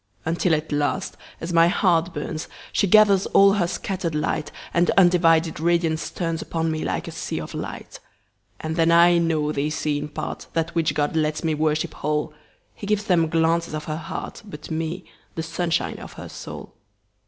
Until at last, as my heart burns, She gathers all her scatter'd light, And undivided radiance turnsUpon me like a sea of light. And then I know they see in partThat which God lets me worship whole:He gives them glances of her heart, But me, the sunshine of her soul.